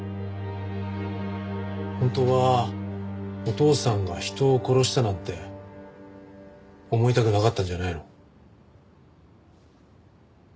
本当はお父さんが人を殺したなんて思いたくなかったんじゃないの？